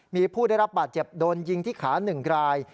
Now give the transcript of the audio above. มีผู้ได้รับบาดเจ็บโดนยิงที่ขา๑ราย